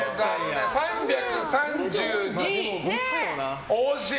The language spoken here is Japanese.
３３２、惜しい。